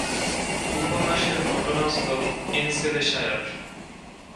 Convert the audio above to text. উপন্যাসের ঘটনাস্থল এন্সেলেশায়ার।